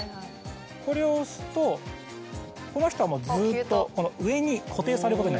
これを押すとこの人はずっと上に固定されることになります。